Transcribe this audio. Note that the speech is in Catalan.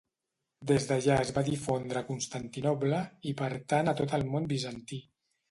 Des d'allà es va difondre a Constantinoble, i per tant a tot el món bizantí.